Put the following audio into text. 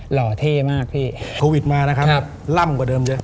หล่อเท่มากพี่โควิดมานะครับล่ำกว่าเดิมเลย